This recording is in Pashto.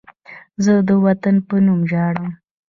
زه د وطن په نوم ژاړم